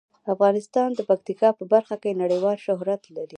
افغانستان د پکتیکا په برخه کې نړیوال شهرت لري.